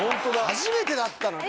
初めてだったな。